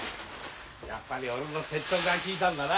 やっぱり俺の説得が効いたんだな。